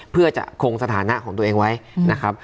เพื่อจะคงสถานะของตัวเองไว้นะครับ